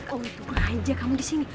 oh gitu aja kamu di sini